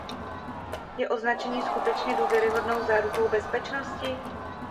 Je označení skutečně důvěryhodnou zárukou bezpečnosti?